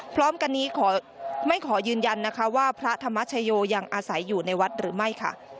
พร้อมกันนี้ไม่ขอยืนยันนะคะว่าพระธรรมชโยยังอาศัยอยู่ในวัดหรือไม่ค่ะ